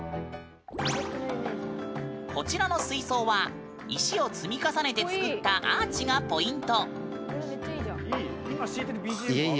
こちらの水槽は石を積み重ねて作ったアーチがポイント。